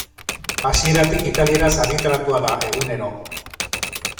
Hasieratik italieraz argitaratua da, egunero.